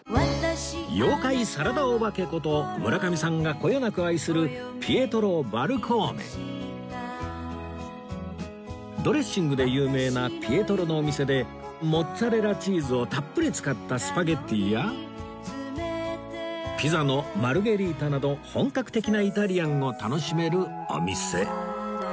妖怪サラダお化けこと村上さんがこよなく愛するドレッシングで有名なピエトロのお店でモッツァレラチーズをたっぷり使ったスパゲティやピザのマルゲリータなど本格的なイタリアンを楽しめるお店。